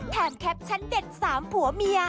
แคปชั่นเด็ดสามผัวเมีย